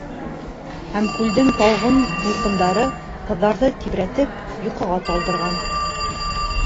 Һәм күлдең талғын тулҡындары ҡыҙҙарҙы тибрәтеп йоҡоға талдырған.